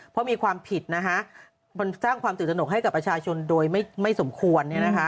เพราะมีความผิดมันสร้างความตื่นตนกให้กับประชาชนโดยไม่สมควร